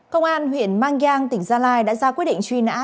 công an huyện mangyang tỉnh gia lai đã ra quyết định truy nã